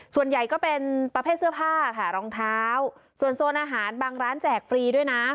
ส่วนใหญ่ก็เป็นประเภทเสื้อผ้าค่ะรองเท้าส่วนโซนอาหารบางร้านแจกฟรีด้วยนะ